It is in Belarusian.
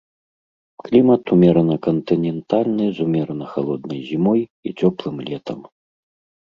Клімат умерана-кантынентальны з умерана халоднай зімой і цёплым летам.